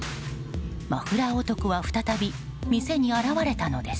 マフラー男は再び店に現れたのです。